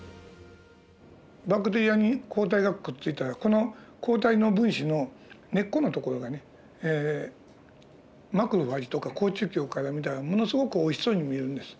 バクテリアに抗体がくっついたらこの抗体の分子の根っこのところがねマクロファージとか好中球から見たらものすごくおいしそうに見えるんです。